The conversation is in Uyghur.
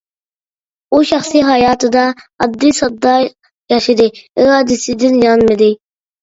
ئۇ شەخسىي ھاياتىدا ئاددىي-ساددا ياشىدى، ئىرادىسىدىن يانمىدى.